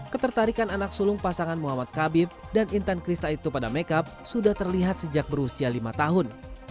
ketertarikan anak sulung pasangan muhammad kabib dan intan krista itu pada makeup sudah terlihat sejak berusia lima tahun